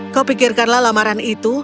kau pikirkanlah lamaran itu